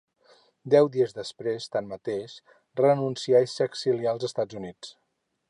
Deu dies després, tanmateix, renuncià i s'exilià als Estats Units.